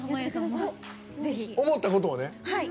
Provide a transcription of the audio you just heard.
思ったことをね。